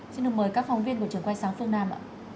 xin được mời các phóng viên của trường quay sáng phương nam ạ